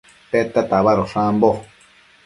Tedta tabadosh ambo?